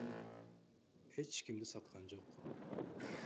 Эч кимди саткан жок.